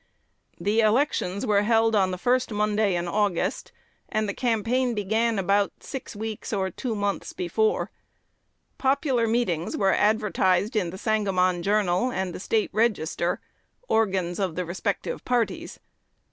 The elections were held on the first Monday in August, and the campaign began about six weeks or two months before. Popular meetings were advertised in "The Sangamon Journal" and "The State Register," organs of the respective parties.